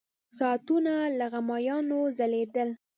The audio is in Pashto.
ساعتونه له غمیانو ځلېدل.